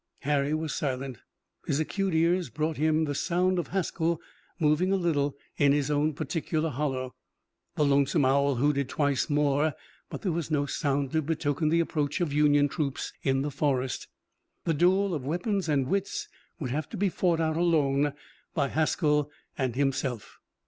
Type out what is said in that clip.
Harry was silent. His acute ears brought him the sound of Haskell moving a little in his own particular hollow. The lonesome owl hooted twice more, but there was no sound to betoken the approach of Union troops in the forest. The duel of weapons and wits would have to be fought out alone by Haskell and himself.